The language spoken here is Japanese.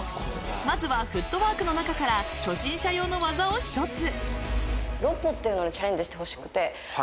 まずはフットワークの中から初心者用の技を一つ。